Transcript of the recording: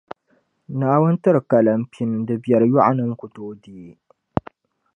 Naawuni tiri kalana pini di biɛri yɔɣunima ku tooi deei.